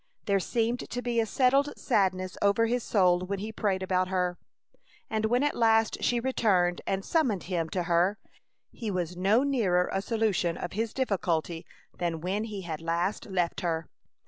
There seemed to be a settled sadness over his soul when he prayed about her, and when at last she returned and summoned him to her he was no nearer a solution of his difficulty than when he had last left her.